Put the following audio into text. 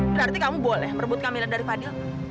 berarti kamu boleh merebut kamelan dari fadil